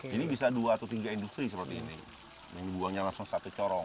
jadi bisa dua atau tiga industri seperti ini yang dibuangnya langsung satu corong